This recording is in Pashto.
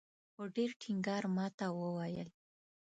په ډېر ټینګار ماته وویل.